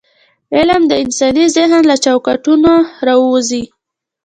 علم د انساني ذهن له چوکاټونه راووځي.